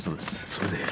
それで？